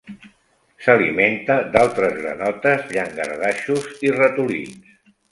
S'alimenta d'altres granotes, llangardaixos, i ratolins.